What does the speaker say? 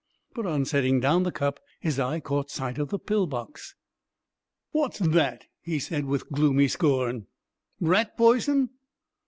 But on setting down the cup his eye caught sight of the pill box. "Wot's that?" he said, with gloomy scorn. "Rat poison?"